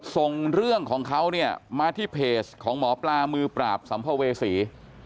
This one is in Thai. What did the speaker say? ส่งเรื่องของเขาเนี่ยมาที่เพจของหมอปลามือปราบสัมภเวษี